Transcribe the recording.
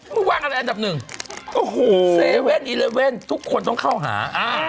มือวางอันดับหนึ่ง๗๑๑ทุกคนต้องเข้าหา